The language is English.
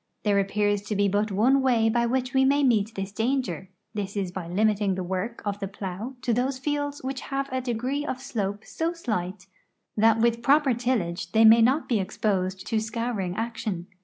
There appears to be but one way by which we ma}^ meet this danger — this is by limiting the work of the plow to those fields which have a degree of slope so slight that with i)i'oi)er tillage they may not be exposed to scouring action.